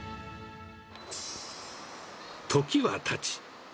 時はたち。